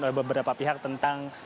oleh beberapa pihak tentang